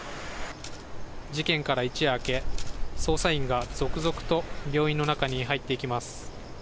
事件から一夜明け、捜査員が続々と病院の中に入っていきます。